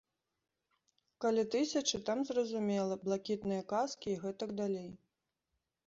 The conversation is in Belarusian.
Калі тысячы, там зразумела, блакітныя каскі і гэтак далей.